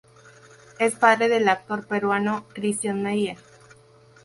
Es padre del actor peruano Christian Meier.